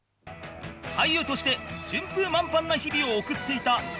俳優として順風満帆な日々を送っていたそんな中